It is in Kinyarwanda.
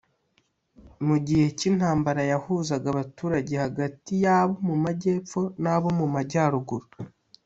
Mu gihe cy’intambara yahuzaga abaturage hagati y’abo mu majyepfo n’abo mu majyaruguru